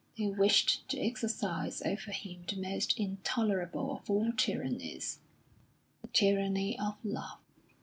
They wished to exercise over him the most intolerable of all tyrannies, the tyranny of love.